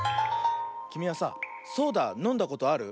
きみはさソーダのんだことある？